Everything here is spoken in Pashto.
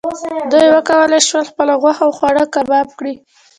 دوی وکولی شول خپله غوښه او خواړه کباب کړي.